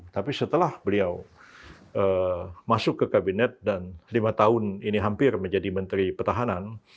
tapi setelah beliau masuk ke kabinet dan lima tahun ini hampir menjadi menteri pertahanan